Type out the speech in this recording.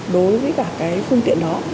đối với cả cái phương tiện đó